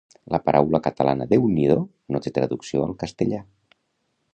La paraula catalana Déu-n'hi-do no té traducció al castellà